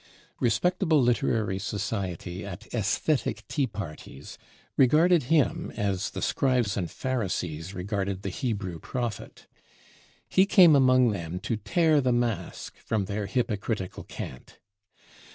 Respectable literary society at "aesthetic tea parties" regarded him as the Scribes and Pharisees regarded the Hebrew prophet. He came among them to tear the mask from their hypocritical cant.